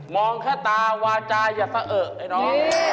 มองข้าตาวาจายัศเอ่อไอ้น้อง